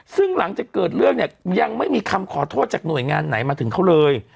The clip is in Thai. ซึ่งหลังจากเกิดเรื่องเนี่ยยังไม่มีคำขอโทษจากหน่วยงานไหนมาถึงเขาเลย